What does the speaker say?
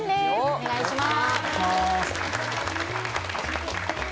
お願いします